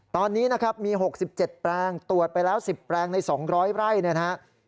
ตอนนี้มี๖๗แปลงตรวจไปแล้ว๑๐แปลงใน๒๐๐ไร่นะฮะ